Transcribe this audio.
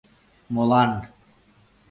Молан?